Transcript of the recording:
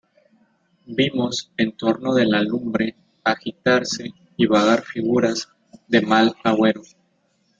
vimos en torno de la lumbre agitarse y vagar figuras de mal agüero: